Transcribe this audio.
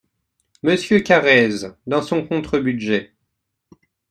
Monsieur Carrez, dans son contre-budget.